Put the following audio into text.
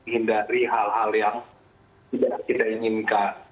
hindari hal hal yang tidak kita inginkan